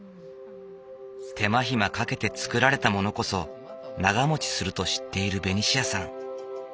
手間暇かけて作られたものこそ長もちすると知っているベニシアさん。